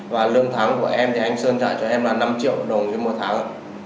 và lương thắng của em thì anh sơn trả cho em là năm triệu đồng cho một tháng